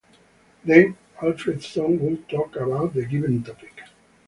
Then, Alfredson would talk about the given topic.